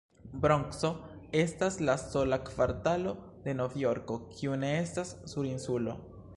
Bronkso estas la sola kvartalo de Novjorko, kiu ne estas sur insulo.